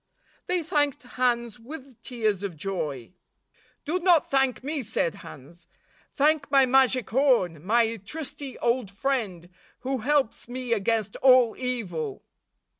64 They thanked Hans with tears of joy. "Do not thank me," said Hans. "Thank my magic horn, my trusty old friend, who helps me against all evil."